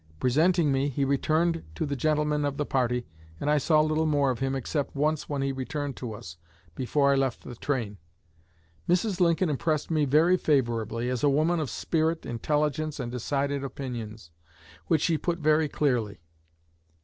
Presenting me, he returned to the gentlemen of the party, and I saw little more of him except once when he returned to us, before I left the train. Mrs. Lincoln impressed me very favorably, as a woman of spirit, intelligence, and decided opinions, which she put very clearly.